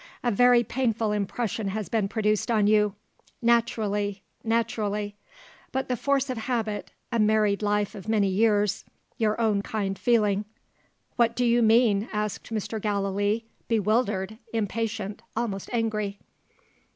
"A very painful impression has been produced on you. Naturally! naturally! But the force of habit a married life of many years your own kind feeling " "What do you mean?" asked Mr. Gallilee, bewildered, impatient, almost angry.